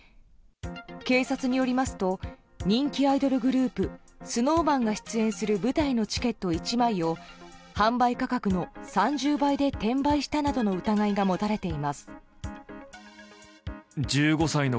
警察によりますと人気アイドルグループＳｎｏｗＭａｎが出演する舞台のチケット１枚を販売価格の３０倍で転売したなどの疑いが持たれています。